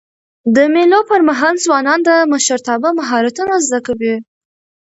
د مېلو پر مهال ځوانان د مشرتابه مهارتونه زده کوي.